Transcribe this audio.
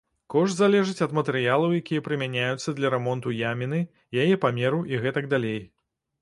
Кошт залежыць ад матэрыялаў, якія прымяняюцца для рамонту яміны, яе памеру і гэтак далей.